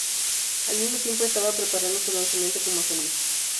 Al mismo tiempo, estaba preparando su lanzamiento como solista.